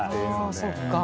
そっか。